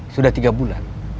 sudah tiga bulan